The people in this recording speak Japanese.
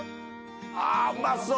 あうまそう！